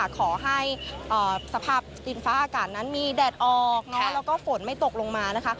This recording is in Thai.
ขอให้สภาพดินฟ้าอากาศนั้นมีแดดออกแล้วก็ฝนไม่ตกลงมานะคะ